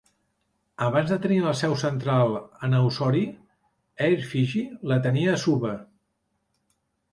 Abans de tenir la seu central a Nausori, Air Fiji la tenia a Suva.